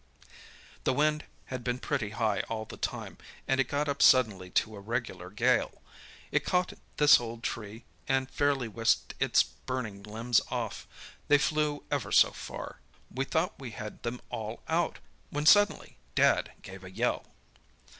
"The wind had been pretty high all the time, and it got up suddenly to a regular gale. It caught this old tree and fairly whisked its burning limbs off. They flew ever so far. We thought we had them all out, when suddenly Dad gave a yell.